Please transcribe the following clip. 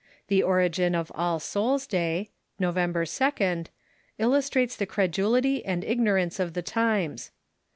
The origin of All Souls' Day (November 2d) illustrates tlie credulity and ignorance of the times.